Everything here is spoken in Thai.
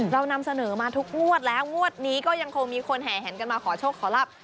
เรานำเสนอมาทุกงวดแล้วงวดนี้ก็ยังคงมีคนแห่แหนกันมาขอโชคขอรับ